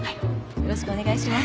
よろしくお願いします。